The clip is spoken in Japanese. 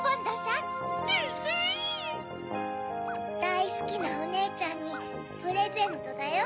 だいすきなおねえちゃんにプレゼントだよ。